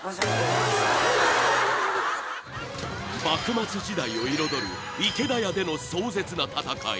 ［幕末時代を彩る池田屋での壮絶な戦い］